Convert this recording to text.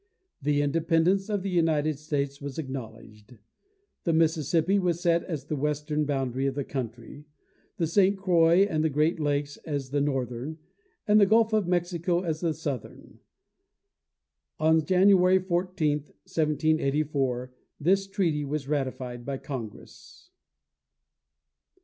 The independence of the United States was acknowledged; the Mississippi was set as the western boundary of the country, the St. Croix and the Great Lakes as the northern, and the Gulf of Mexico as the southern. On January 14, 1784, this treaty was ratified by Congress.